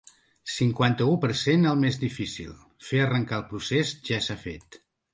Cinquanta-u per cent El més difícil, fer arrencar el procés, ja s’ha fet.